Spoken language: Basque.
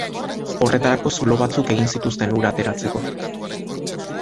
Horretarako zulo batzuk egin zituzten ura ateratzeko.